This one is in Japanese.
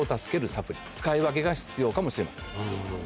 使い分けが必要かもしれません。